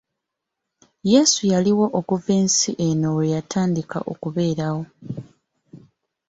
Yeesu yaliwo okuva ensi eno lwe yatandika okubeerawo.